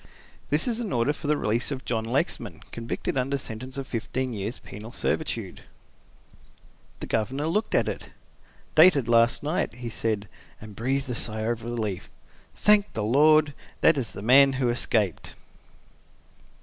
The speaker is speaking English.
"This is an order for the release of John Lexman, convicted under sentence of fifteen years penal servitude." The Governor looked at it. "Dated last night," he said, and breathed a long sigh of relief. "Thank the Lord! that is the man who escaped!"